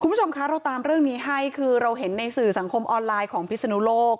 คุณผู้ชมคะเราตามเรื่องนี้ให้คือเราเห็นในสื่อสังคมออนไลน์ของพิศนุโลก